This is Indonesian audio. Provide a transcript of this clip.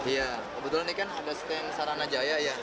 iya kebetulan ini kan ada stand sarana jaya ya